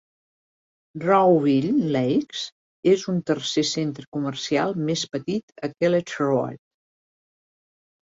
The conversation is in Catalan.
Rowville Lakes és un tercer centre comercial més petit a Kelletts Road.